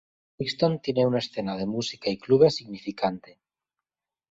Brixton tiene una escena de música y clubes significante.